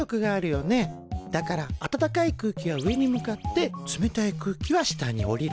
だから温かい空気は上に向かって冷たい空気は下に下りる。